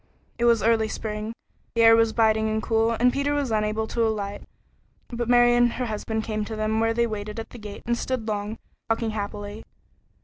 It was early spring, the air was biting and cool, and Peter was unable to alight, but Mary and her husband came to them where they waited at the gate and stood long, talking happily.